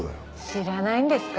知らないんですか？